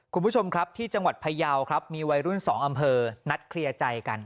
คุณผู้ชมครับที่จังหวัดพยาวครับมีวัยรุ่น๒อำเภอนัดเคลียร์ใจกัน